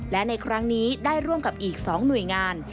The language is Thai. และในครั้งนี้ได้ร่วมกับอีก๒หน่วยงาน